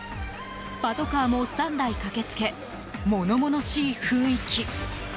パトカーも３台駆けつけ物々しい雰囲気。